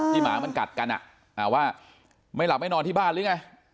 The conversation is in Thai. หมามันกัดกันว่าไม่หลับไม่นอนที่บ้านหรือไง